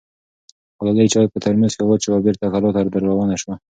ګلالۍ چای په ترموز کې واچوه او بېرته کلا ته روانه شوه.